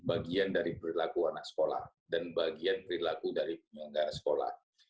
bagian dari perilaku anak sekolah dan bagian perilaku dari penyelenggara sekolah